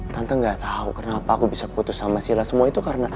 tante gak tahu kenapa aku bisa putus sama sila semua itu karena